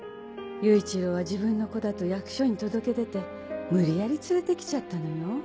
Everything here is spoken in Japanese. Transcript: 雄一郎は自分の子だと役所に届け出て無理やり連れてきちゃったのよ。